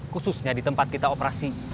khususnya di tempat kita operasi